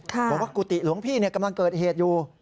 บอกว่ากุฏิหลวงพี่กำลังเกิดเหตุอยู่